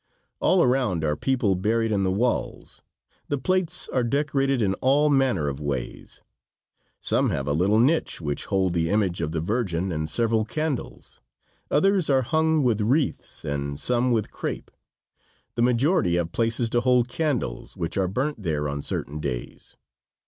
All around are people buried in the walls. The plates are decorated in all manner of ways. Some have a little niche which hold the image of the Virgin and several candles. Others are hung with wreaths, and some with crepe. The majority have places to hold candles, which are burnt there on certain days.